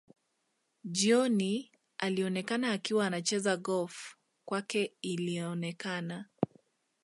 Jioni alionekana akiwa anacheza golf kwake ilionekana